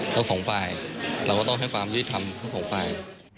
เราสองฝ่ายเราก็ต้องให้ความยืดทำทั้งสองฝ่าย